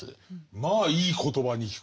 まあいい言葉に聞こえる。